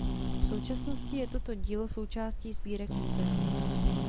V současnosti je toto dílo součástí sbírek muzea.